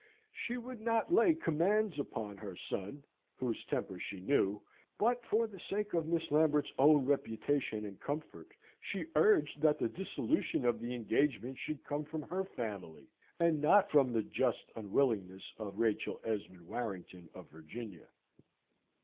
She would not lay commands upon her son, whose temper she knew; but for the sake of Miss Lambert's own reputation and comfort, she urged that the dissolution of the engagement should come from her family, and not from the just unwillingness of Rachel Esmond Warrington of Virginia.